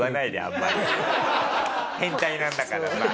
変態なんだからさ。